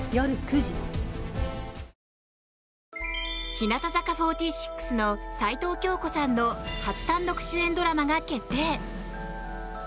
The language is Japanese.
日向坂４６の齊藤京子さんの初単独主演ドラマが決定。